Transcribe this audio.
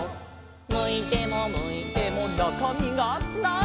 「むいてもむいてもなかみがない」